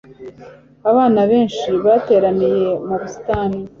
Abana benshi bateraniye mu busitani.